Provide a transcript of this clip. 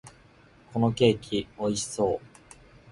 このケーキ、美味しそう！